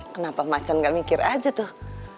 kenapa macan gak mikir aja tuh